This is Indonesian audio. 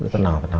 udah tenang tenang